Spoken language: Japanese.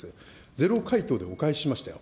ゼロ回答でお返ししましたよ。